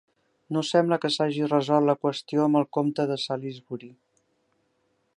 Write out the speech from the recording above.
No sembla que s'hagi resolt la qüestió amb el comte de Salisbury.